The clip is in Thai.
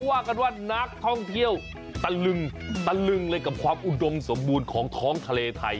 ว่ากันว่านักท่องเที่ยวตะลึงตะลึงเลยกับความอุดมสมบูรณ์ของท้องทะเลไทย